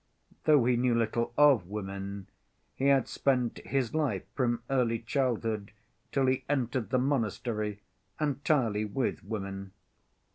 Though he knew little of women, he had spent his life, from early childhood till he entered the monastery, entirely with women.